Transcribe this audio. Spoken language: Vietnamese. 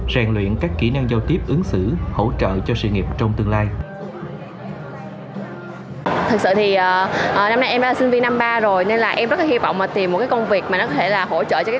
rèn luyện các kỹ năng giao tiếp ứng xử hỗ trợ cho sự nghiệp trong tương lai